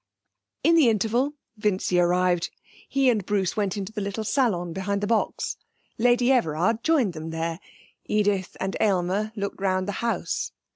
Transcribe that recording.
In the interval Vincy arrived. He and Bruce went into the little salon behind the box. Lady Everard joined them there. Edith and Aylmer looked round the house.